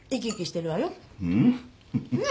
うん？